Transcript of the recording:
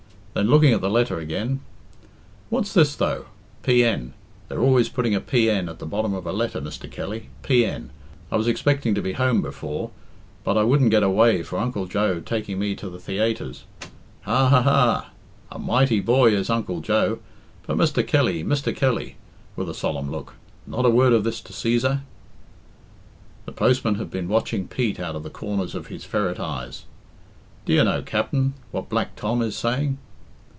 Then, looking at the letter again, "What's this, though? PN. They're always putting a P.N. at the bottom of a letter, Mr. Kelly. P.N. I was expecting to be home before, but I wouldn't get away for Uncle Joe taking me to the theaytres. Ha, ha, ha! A mighty boy is Uncle Joe. But, Mr. Kelly, Mr. Kelly," with a solemn look, "not a word of this to Cæsar?" The postman had been watching Pete out of the corners of his ferret eyes. "Do you know, Capt'n, what Black Tom is saying?"